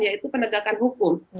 yaitu penegakan hukum